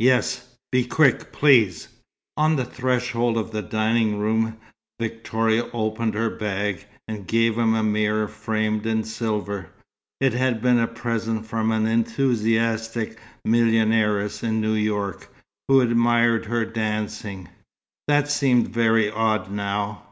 "Yes. Be quick, please." On the threshold of the dining room Victoria opened her bag, and gave him a mirror framed in silver. It had been a present from an enthusiastic millionairess in New York, who admired her dancing. That seemed very odd now.